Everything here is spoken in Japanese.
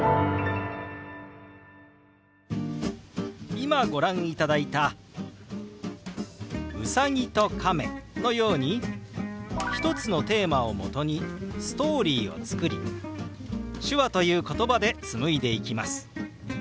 今ご覧いただいた「ウサギとカメ」のように１つのテーマをもとにストーリーを作り手話ということばで紡いでいきます。